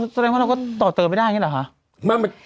แสดงว่าเราก็ต่อเติมไม่ได้อย่างนี้เหรอคะ